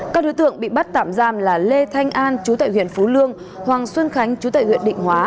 các đối tượng bị bắt tạm giam là lê thanh an chú tại huyện phú lương hoàng xuân khánh chú tại huyện định hóa